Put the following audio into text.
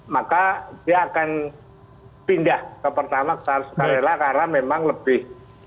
maka dia akan pindah ke pertamate seharusnya karena memang lebih